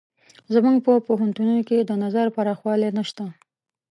زموږ په پوهنتونونو کې د نظر پراخوالی نشته.